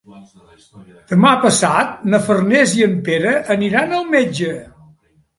Demà passat na Farners i en Pere aniran al metge.